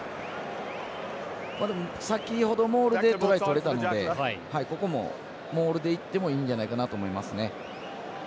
先ほどモールでトライ取れたのでここもモールでいってもいいんじゃないかなと思いますね。